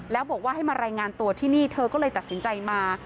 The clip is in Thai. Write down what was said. แล้วบอกว่าให้มารายงานตัวที่นี่เธอก็เลยตัดสินใจมา